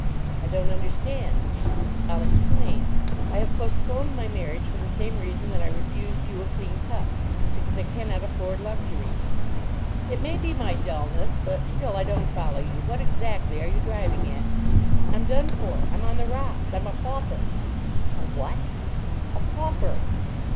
"I don't understand." "I'll explain. I have postponed my marriage for the same reason that I refused you a clean cup—because I cannot afford luxuries." "It may be my dulness; but, still, I don't follow you. What exactly are you driving at?" "I'm done for. I'm on the rocks. I'm a pauper." "A what?" "A pauper."